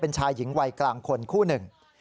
เป็นชายหญิงวัยกลางคนคู่หนึ่ง